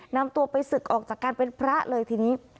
นำตัวไปศึกออกจากการเป็นพระเลยทีนี้